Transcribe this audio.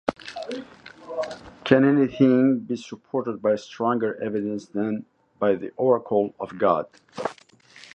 Can anything be supported by stronger evidence than by the oracle of god.